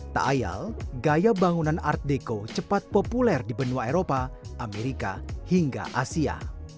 tak ayal gaya bangunan art deco cepat populer di benua eropa amerika hingga asia